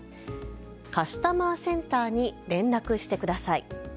カスタマーセンターに連絡してください。